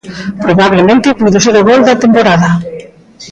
Probablemente puido ser o gol da temporada.